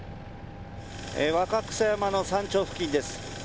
若草山の山頂付近です。